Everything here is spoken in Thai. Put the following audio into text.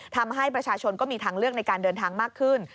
ทำให้ประชาชนก็มีทางเลือกในการเดินทางมากขึ้น